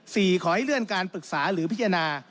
ขอให้เลื่อนการปรึกษาหรือพิจารณา